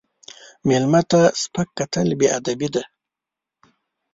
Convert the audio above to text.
مېلمه ته سپک کتل بې ادبي ده.